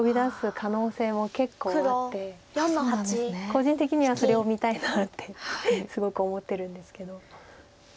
個人的にはそれを見たいなってすごく思ってるんですけど。